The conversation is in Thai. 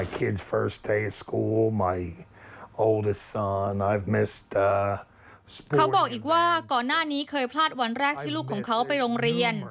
เขาบอกอีกว่าก่อนหน้านี้เคยพลาดวันแรกที่ลูกของเขาไปโรงเรียน